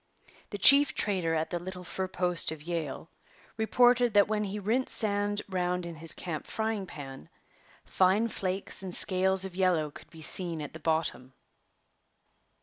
The chief trader at the little fur post of Yale reported that when he rinsed sand round in his camp frying pan, fine flakes and scales of yellow could be seen at the bottom.